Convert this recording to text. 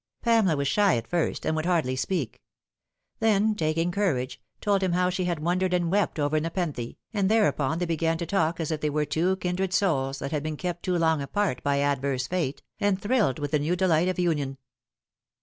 Pamela was shy at first, and would hardly speak ; then taking courage, told him how she had wondered and wept over Nepenthe, and thereupon they began to talk as if they were two kindred souls that had been kept too long apart by adverse fate, and thrilled with the new delight of union.